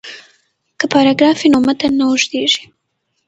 که پاراګراف وي نو متن نه اوږدیږي.